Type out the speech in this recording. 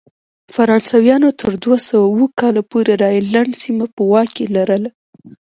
فرانسویانو تر دوه سوه اووه کال پورې راینلنډ سیمه په واک کې لرله.